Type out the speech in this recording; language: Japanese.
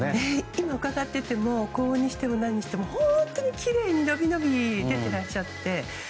今伺ってても高音にしても何にしても本当に、きれいにのびのび出ていらっしゃって。